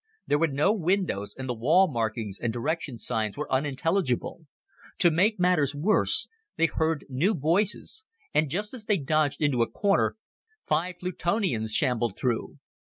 There were no windows, and the wall markings and direction signs were unintelligible. To make matters worse, they heard new noises, and, just as they dodged into a corner, five Plutonians shambled through.